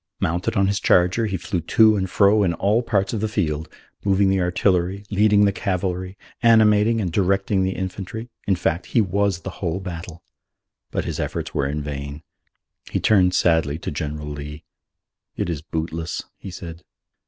Mounted on his charger, he flew to and fro in all parts of the field, moving the artillery, leading the cavalry, animating and directing the infantry. In fact, he was the whole battle. But his efforts were in vain. He turned sadly to General Lee. "It is bootless," he said.